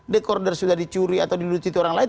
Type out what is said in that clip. dekorder sudah dicuri atau dilucuti orang lain